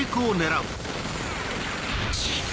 チッ。